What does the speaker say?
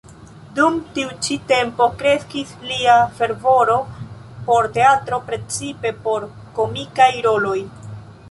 Dum tiu ĉi tempo kreskis lia fervoro por teatro, precipe por komikaj roloj.